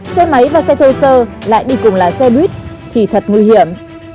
xe máy và xe thô sơ lại đi cùng lái xe buýt thì thật nguy hiểm